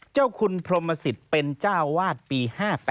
เจ้าคุณพรมสิทธิ์เป็นเจ้าวาดปี๕๘